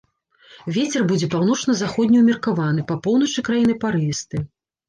Вецер будзе паўночна-заходні ўмеркаваны, па поўначы краіны парывісты.